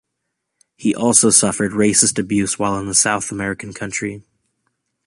He also suffered racist abuse while in the South American country.